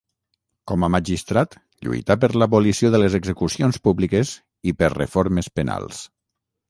Com a magistrat, lluità per l'abolició de les execucions públiques i per reformes penals.